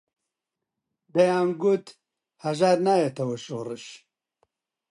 دەیانگوت هەژار نایەتەوە شۆڕش